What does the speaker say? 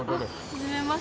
はじめまして。